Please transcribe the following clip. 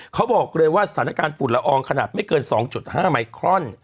เขาบอกเลยว่าสถานการณ์ฝุ่นละอองขนาดไม่เกิน๒๕ไมครอน